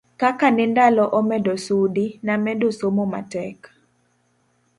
kaka ne ndalo omedo sudi namedo somo matek